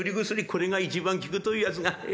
これが一番効くというやつが。